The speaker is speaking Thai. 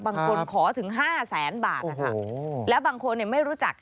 บางคนขอถึง๕แสนบาทแล้วบางคนไม่รู้จัก